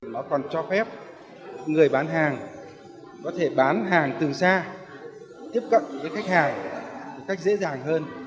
nó còn cho phép người bán hàng có thể bán hàng từ xa tiếp cận với khách hàng một cách dễ dàng hơn